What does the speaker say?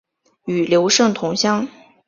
与刘胜同乡。